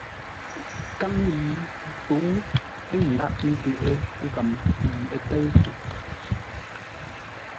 Kǎŋ yi pə̌u ə́ dǎghʼ də́ghʼə́ ghəm yi ə́ tə́ʉ fe.